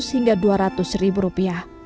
hingga dua ratus ribu rupiah